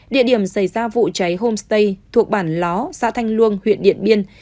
địa điểm xảy ra vụ cháy homestay thuộc bản ló xã thanh luông huyện điện biên